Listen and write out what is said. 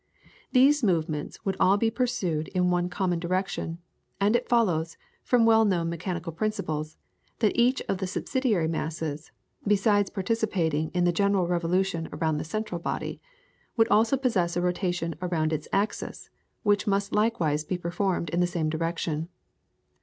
These movements would be all pursued in one common direction, and it follows, from well known mechanical principles, that each of the subsidiary masses, besides participating in the general revolution around the central body, would also possess a rotation around its axis, which must likewise be performed in the same direction.